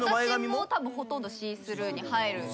私もほとんどシースルーに入る。